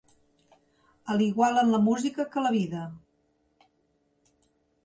A l’igual en la música que la vida.